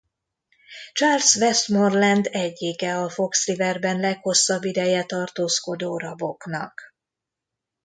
Charles Westmoreland egyike a Fox Riverben leghosszabb ideje tartózkodó raboknak.